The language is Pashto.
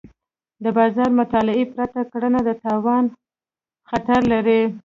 د بازار مطالعې پرته کرنه د تاوان خطر لري.